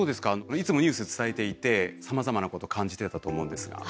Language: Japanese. いつもニュース伝えていてさまざまなことを感じてたと思うんですが。